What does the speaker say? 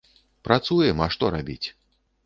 Працуем, а што рабіць?